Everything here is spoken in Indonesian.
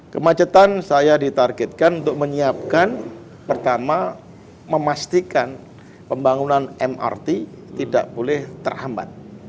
kemacetan saya ditargetkan untuk menyiapkan pertama memastikan pembangunan mrt tidak boleh terhambat